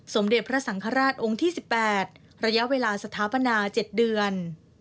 สมเด็จพระสังฆราชองค์ที่๑๘ระยะเวลาสถาปนา๗เดือน